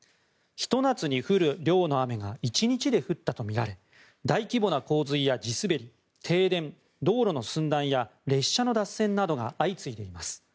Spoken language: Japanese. ひと夏に降る量の雨が１日で降ったとみられ大規模な洪水や地滑り停電、道路の寸断や列車の脱線などが相次いでいます。